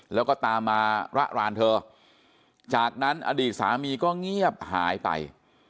แล้วก็ตามมาระรานเธอจากนั้นอดีตสามีก็เงียบหายไป